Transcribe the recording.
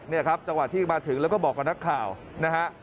นี่ครับจังหวะที่มาถึงแล้วก็บอกกับนักข่าวนะฮะ